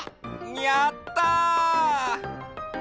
やった！